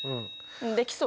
できそう？